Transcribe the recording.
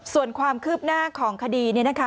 ส่วนความคืบหน้าของคดีเนี่ยนะคะ